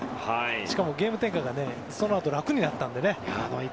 しかもゲーム展開がそのあと楽になったので。